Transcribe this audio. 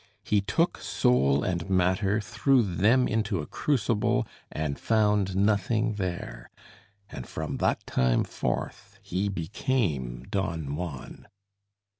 He took soul and matter, threw them into a crucible, and found nothing there, and from that time forth he became Don Juan.